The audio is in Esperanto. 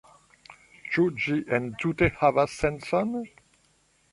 Ĉu ĝi entute havas sencon?